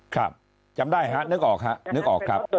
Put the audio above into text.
ครับจำได้ฮะนึกออกครับ